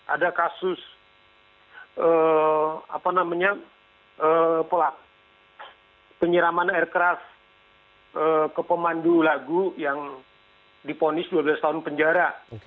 ada kasus pelaku penyiraman air keras ke pemandu lagu yang diponis dua belas tahun penjara